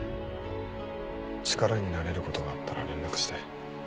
力になれることがあったら連絡して。